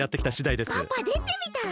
パパでてみたら？